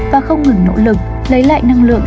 và không ngừng nỗ lực lấy lại năng lượng